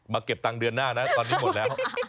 เก็บตังค์เดือนหน้านะตอนนี้หมดแล้ว